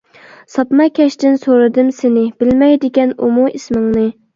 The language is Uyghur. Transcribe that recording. ساپما كەشتىن سورىدىم سېنى، بىلمەيدىكەن ئۇمۇ ئىسمىڭنى.